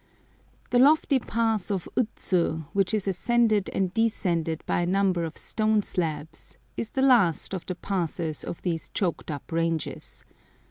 The lofty pass of Utsu, which is ascended and descended by a number of stone slabs, is the last of the passes of these choked up ranges.